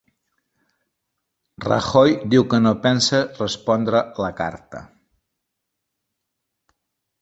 Rajoy diu que no pensa respondre la carta